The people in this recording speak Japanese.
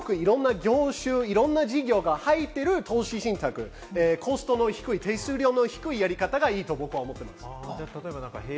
幅広く、いろんな業種、いろんな事業が入っている投資信託、コストの低い、手数料の低いやり方がいいと僕は思っています。